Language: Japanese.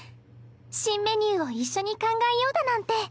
新メニューを一緒に考えようだなんて。